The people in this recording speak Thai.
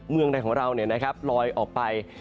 เมืองใดของเราลอยออกไป